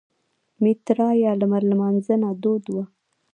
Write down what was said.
میترا یا لمر لمانځنه دود وه